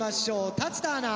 立田アナ。